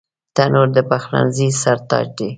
تنور د پخلنځي سر تاج دی